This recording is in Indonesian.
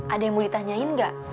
ada yang mau ditanyain nggak